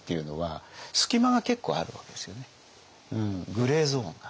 グレーゾーンが。